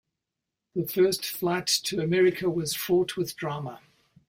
The first flight to America was fraught with drama.